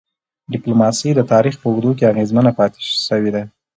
ډيپلوماسي د تاریخ په اوږدو کي اغېزمنه پاتې سوی ده.